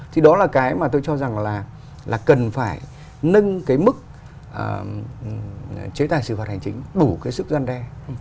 thì đó là cái mà tôi cho rằng là cần phải nâng cái mức chế tài xử phạt hành chính đủ cái sức gian đe